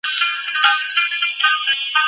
اتڼ په ځانته ډول نه کېږي.